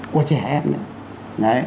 của trẻ em nữa